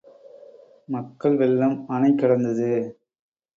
மக்கள் வெள்ளம் அணைகடந்தது.